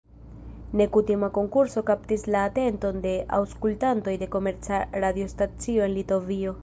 Nekutima konkurso kaptis la atenton de aŭskultantoj de komerca radiostacio en Litovio.